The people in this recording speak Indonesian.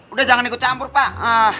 udah jangan ikut campur pak